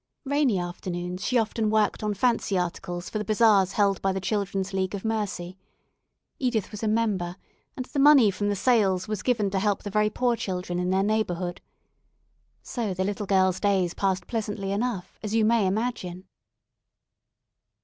Rainy afternoons she often worked on fancy articles for the bazaars held by the Children's League of Mercy. Edith was a member, and the money from the sales was given to help the very poor children in their neighbourhood. So the little girl's days passed pleasantly enough, as you may imagine.